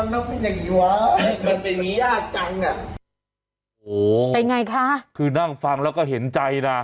แล้วมันเป็นอย่างงียากจังอ่ะโอ้โหเป็นไงคะคือนั่งฟังแล้วก็เห็นใจนะ